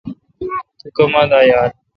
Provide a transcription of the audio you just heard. تو کما دا یال؟